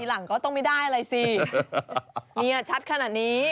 หลังก็ต้องไม่ได้อะไรสิเนี่ยชัดขนาดนี้